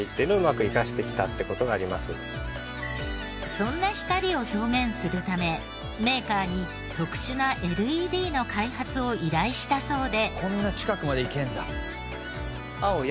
そんな光を表現するためメーカーに特殊なＬＥＤの開発を依頼したそうで。